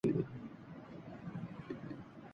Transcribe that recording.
فرانسیسی سفیر کی اویس لغاری سے ملاقات